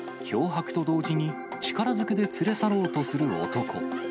脅迫と同時に、力ずくで連れ去ろうとする男。